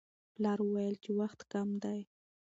پلار وویل چې وخت کم دی.